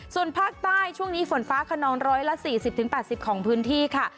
ส่วนภาคใต้ช่วงนี้ฝนฟ้าขนอง๑๔๐๘๐ของพื้นที่ค่ะ